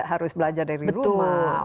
harus belajar dari rumah